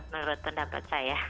menurut pendapat saya